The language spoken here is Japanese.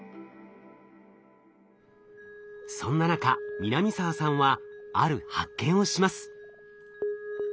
そんな中南澤さんはある発見をします。